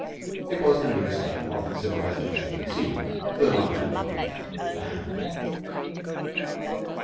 It was the nearest thing modern civilization had seen to the lion lying down with the lamb.